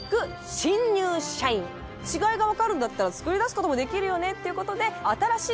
違いが分かるんだったら作り出すこともできるよねっていうことで。